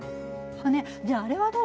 ねえじゃああれはどうなの。